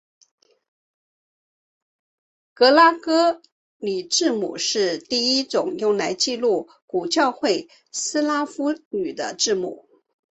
格拉哥里字母是第一种用来记录古教会斯拉夫语的字母。